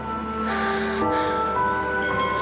aku nggak tahu